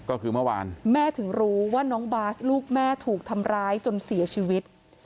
ก็คือเมื่อวานแม่ถึงรู้ว่าน้องบาสลูกแม่ถูกทำร้ายจนเสียชีวิต